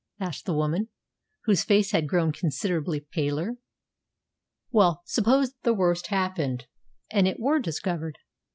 asked the woman, whose face had grown considerably paler. "Well, suppose the worst happened, and it were discovered?"